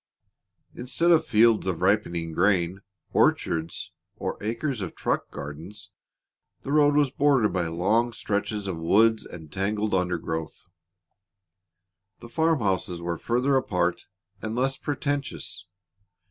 Instead of fields of ripening grain, orchards, or acres of truck gardens, the road was bordered by long stretches of woods and tangled undergrowth. The farm houses were farther apart and less pretentious.